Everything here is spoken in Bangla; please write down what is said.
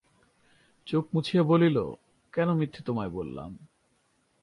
চোখ মুছিয়া বলিল, কেন মিথ্যে তোমায় বললাম।